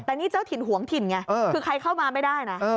แต่นี่เจ้าถิ่นหวงถิ่นไงคือใครเข้ามาไม่ได้นะ